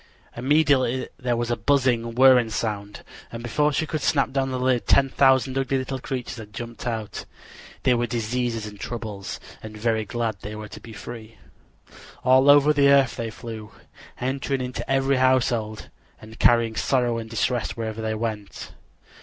Immediately there was a buzzing, whirring sound, and before she could snap down the lid ten thousand ugly little creatures had jumped out. They were diseases and troubles, and very glad they were to be free. All over the earth they flew, entering into every household, and carrying sorrow and distress wherever they went.